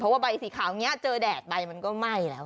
ว่าใบสีขาวนี้เจอแดดใบมันก็ไหม้แล้ว